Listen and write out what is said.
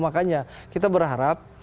makanya kita berharap